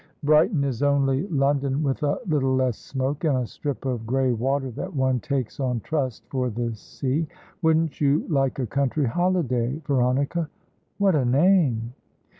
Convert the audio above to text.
Brighton is only London with a little less smoke, and a strip of grey water that one takes on trust for the sea. Wouldn't you like a country holiday, Veronica? What a name!"